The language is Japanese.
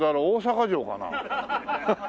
大坂城かな？